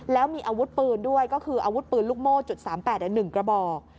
แล้วมีอาวุธปืนด้วยก็คืออาวุธปืนลูกโม่จุด๓๘๑กระบอก